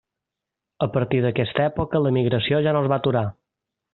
A partir d'aquesta època, l'emigració ja no es va aturar.